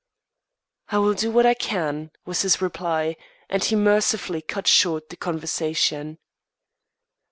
"I will do what I can," was his reply, and he mercifully cut short the conversation.